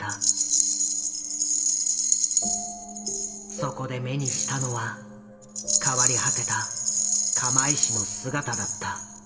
そこで目にしたのは変わり果てた釜石の姿だった。